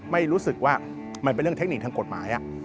ไม่รู้สึกว่ามันเป็นเรื่องเทคนิคทางกฎหมาย